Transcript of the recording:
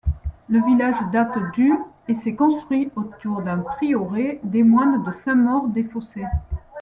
Le village date du et s'est construit autour d'un prieuré des moines de Saint-Maur-des-Fossés.